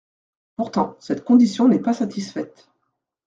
Pourtant, cette condition n’est pas satisfaite.